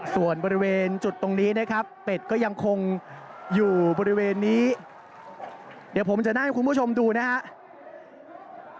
ส่วนบริเวณจุดตรงนี้นะครับเป็ดก็ยังคงอยู่บริเวณนี้เดี๋ยวผมจะนั่งให้คุณผู้ชมดูนะครับ